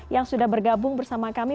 yang sudah bergabung bersama kami